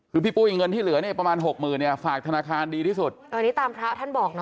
คือพี่ปุ้ยเงินที่เหลือเนี่ยประมาณหกหมื่นเนี่ยฝากธนาคารดีที่สุดอันนี้ตามพระท่านบอกนะ